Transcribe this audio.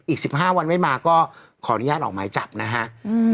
อีกสิบห้าวันไม่มาก็ขออนุญาตออกหมายจับนะฮะอืม